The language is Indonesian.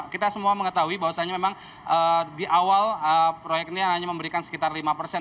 kita semua mengetahui bahwasannya memang di awal proyek ini hanya memberikan sekitar lima persen